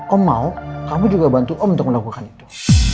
oh mau kamu juga bantu om untuk melakukan itu